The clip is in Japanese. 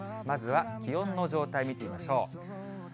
まずは気温の状態見てみましょう。